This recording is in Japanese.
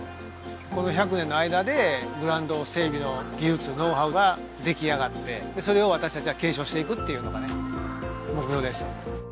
この１００年の間でグラウンド整備の技術ノウハウができあがってそれを私たちは継承していくっていうのがね目標ですよね